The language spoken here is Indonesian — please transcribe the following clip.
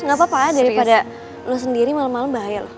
gak apa apa daripada lo sendiri malam malam bahaya lo